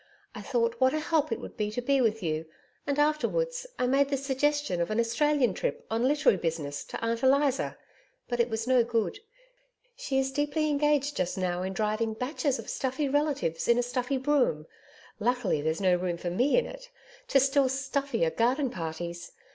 I thought what a help it would be to be with you, and afterwards I made the suggestion of an Australian trip on literary business to Aunt Eliza, but it was no good. She is deeply engaged just now in driving batches of stuffy relatives in a stuffy brougham luckily there's no room for me in it to still stuffier garden parties.